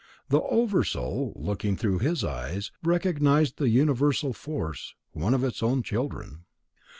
The Oversoul, looking through his eyes, recognized the universal force, one of its own children.